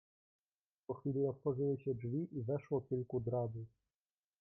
"Po chwili otworzyły się drzwi i weszło kilku drabów."